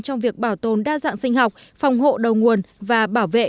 trong việc bảo tồn đa dạng sinh học phòng hộ đầu nguồn và bảo vệ